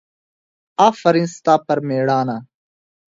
افرین ستا پر مېړانه!